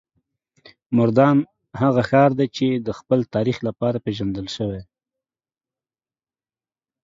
مردان هغه ښار دی چې د خپل تاریخ لپاره پیژندل شوی.